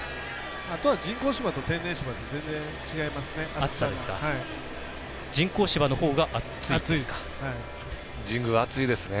あとは人工芝と天然芝で全然暑さ違いますね。